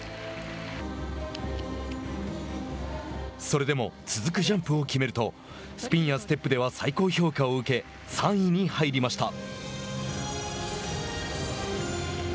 それでも続くジャンプを決めるとスピンやステップでは最高評価を受け３位に入りました。